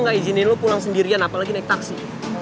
gue gak izinin lo pulang sendirian apalagi naik taksi